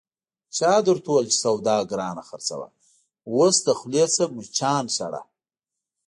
چا درته ویل چې سودا گرانه خرڅوه، اوس د خولې نه مچان شړه...